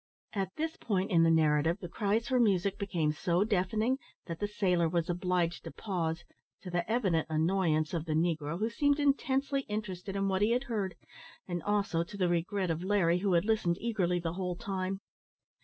At this point in the narrative, the cries for music became so deafening, that the sailor was obliged to pause, to the evident annoyance of the negro, who seemed intensely interested in what he had heard; and, also, to the regret of Larry, who had listened eagerly the whole time.